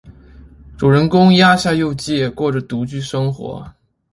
主人公鸭下佑介过着独居生活。